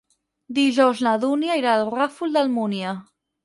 Dijous na Dúnia irà al Ràfol d'Almúnia.